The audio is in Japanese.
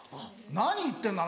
「何言ってんの？